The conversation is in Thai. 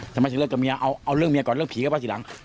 ทำไมถึงเลิกกับเมียเอาเรื่องเมียก่อนเรื่องผีเข้าไปทีหลัง